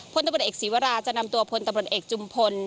พลตำรวจเอกศีวราจะนำตัวพลตำรวจเอกจุมพล